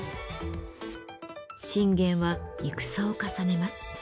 信玄は戦を重ねます。